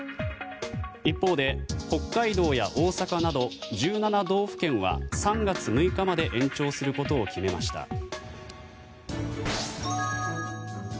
一方で、北海道や大阪など１７道府県は３月６日まで延長することを決めました。